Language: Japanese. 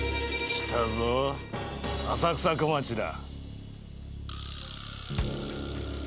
来たぞ浅草小町だ。